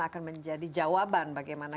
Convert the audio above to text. akan menjadi jawaban bagaimana